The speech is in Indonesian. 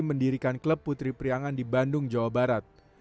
mendirikan klub putri priangan di bandung jawa barat